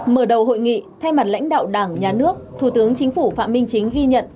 mở đầu hội nghị thay mặt lãnh đạo đảng nhà nước thủ tướng chính phủ phạm minh chính ghi nhận